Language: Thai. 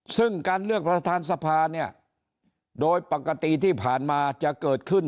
ซึ่งการเลือกประธานสภาเนี่ยโดยปกติที่ผ่านมาจะเกิดขึ้น